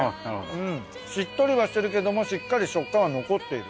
うんしっとりはしてるけどもしっかり食感は残っている。